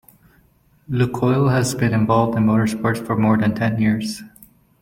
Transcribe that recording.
Lukoil has been involved in motorsports for more than ten years.